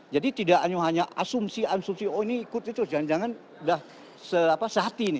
jadi tidak hanya asumsi asumsi oh ini ikut itu jangan jangan sudah sehati ini